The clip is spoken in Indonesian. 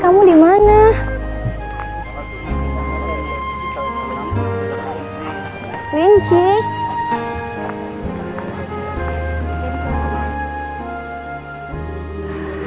kemana ya kelinci itu